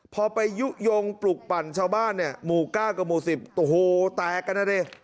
พอไปยุโยงปลุกปั่นชาวบ้านเนี่ยหมู่๙กับหมู่๑๐โอ้โหแตกกันนะดิ